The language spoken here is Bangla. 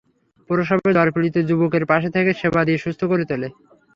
প্রবাসে জ্বরে পীড়িত যুবকের পাশে থেকে সেবা দিয়ে সুস্থ করে তোলে।